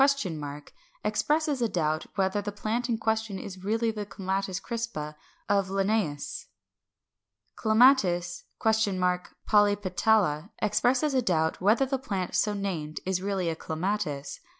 expresses a doubt whether the plant in question is really the Clematis crispa of Linnæus. Clematis? polypetala expresses a doubt whether the plant so named is really a Clematis.